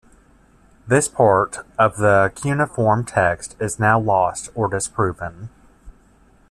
This part of the cuneiform text is now lost or disproven.